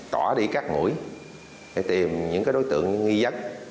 tỏa đi các mũi để tìm những đối tượng nghi dấn